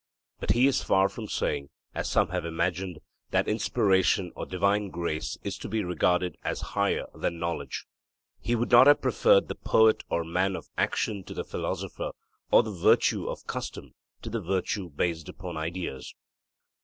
But he is far from saying, as some have imagined, that inspiration or divine grace is to be regarded as higher than knowledge. He would not have preferred the poet or man of action to the philosopher, or the virtue of custom to the virtue based upon ideas.